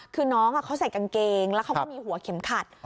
คือน้องเขาใส่กางเกงแล้วเขาก็มีหัวเข็มขัด